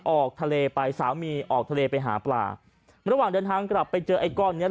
ออกทะเลไปสามีออกทะเลไปหาปลาระหว่างเดินทางกลับไปเจอไอ้ก้อนเนี้ย